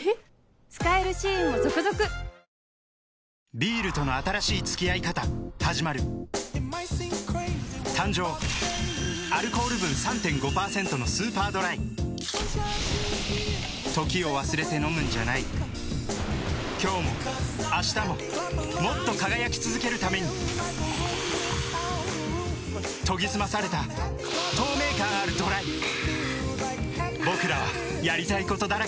ビールとの新しい付き合い方はじまる誕生Ａｌｃ．分３．５％のスーパードライ時を忘れて飲むんじゃない今日も明日ももっと輝き続けるために研ぎ澄まされた透明感あるＤＲＹぼくらはやりたいことだらけだ